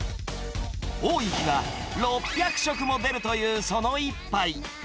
多い日は６００食も出るというその一杯。